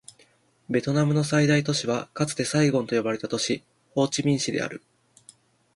ベトナムの最大都市はかつてサイゴンと呼ばれた都市、ホーチミン市である